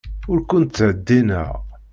Ur kent-ttheddineɣ.